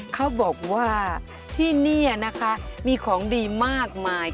เขาบอกว่าที่นี่นะคะมีของดีมากมาย